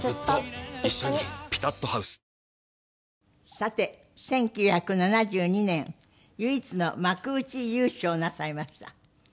さて１９７２年唯一の幕内優勝をなさいました。